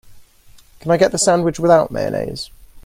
Can I get the sandwich without mayonnaise?